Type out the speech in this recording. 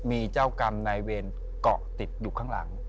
มีเจ้ากรรมนายเวรเกาะติดอยู่ข้างหลัง